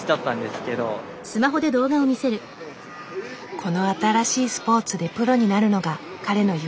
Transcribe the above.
この新しいスポーツでプロになるのが彼の夢。